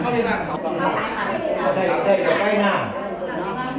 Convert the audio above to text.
ทุติยังปิตพุทธธาเป็นที่พึ่ง